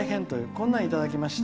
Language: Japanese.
こんなのをいただきました。